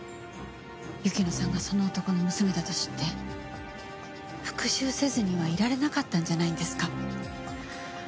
雪乃さんがその男の娘だと知って復讐せずにはいられなかったんじゃないんですか？